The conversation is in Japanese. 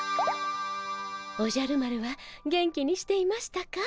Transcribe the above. おじゃる丸は元気にしていましたか？